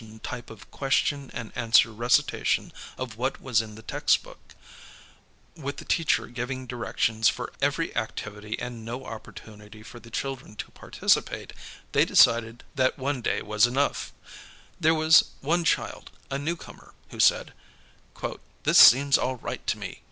945245┬░ ŌĆö 51 2 6 now CHILDREN LEARN ABOUT HUMAN RIGHTS type of question and answer recitation of what was in the textbook, Avith the teacher giving directions for every activity, and no opportunity for the children to participate, they decided that one day was enough. There was one child, a newcomer, who said. "This seems all right to me.